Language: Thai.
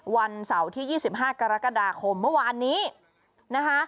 วันเสาร์ที่ยี่สิบห้ากรกฎาคมเมื่อวานนี้นะคะ